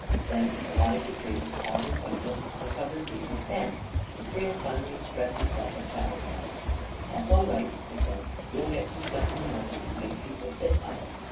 Then a lot of debris was piled in front of it and covered deep with sand, and Creel finally expressed himself as satisfied. " That's all right," he said. " We'll get some stuff in the morning that will make people sit up.